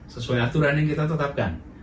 sesuai aturan yang kita tetapkan